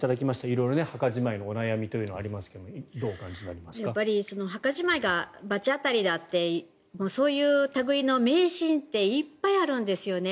色々、墓じまいのお悩みというのはありますが墓じまいが罰当たりだってそういう類の迷信っていっぱいあるんですよね。